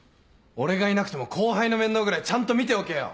俺がいなくても後輩の面倒ぐらいちゃんと見ておけよ。